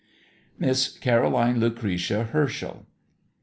MISS CAROLINE LUCRETIA HERSCHEL.